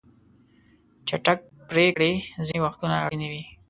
چټک پریکړې ځینې وختونه اړینې وي.